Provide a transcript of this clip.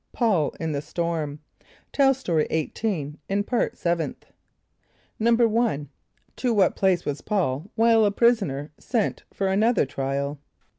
Paul in the Storm. (Tell Story 18 in Part Seventh.) =1.= To what place was P[a:]ul while a prisoner sent for another trial?